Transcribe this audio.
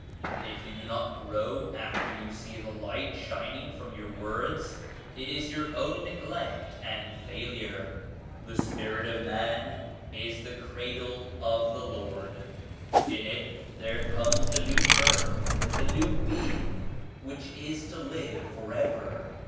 If you do not grow after you see the Light shining from your words, it is your own neglect and fail ure. The Spirit of man is the cradle of the H Lord. In it there comes the new birth ; the new being which is to live forever.